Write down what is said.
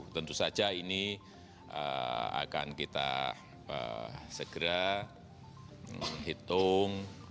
tentu saja ini akan kita segera hitung